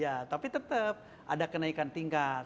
ya tapi tetap ada kenaikan tingkat